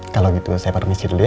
kalo gitu saya permisi dulu ya